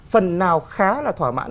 phần nào khá là thỏa mãn